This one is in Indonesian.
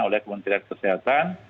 oleh kementerian kesehatan